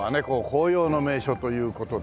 紅葉の名所という事でね